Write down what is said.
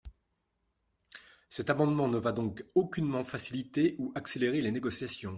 Cet amendement ne va donc aucunement faciliter ou accélérer les négociations.